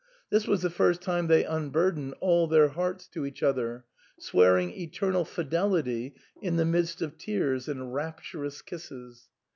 This was the first time they unburdened all their hearts to each other, swearing eternal fidelity in the midst of tears and rapturous kisses.